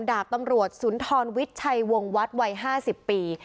ดาบตำรวจสุนทรวิทย์ชัยวงวัดวัย๕๐ปี